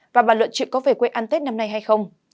và bản luận chuyện có về quê ăn tết năm nay hay không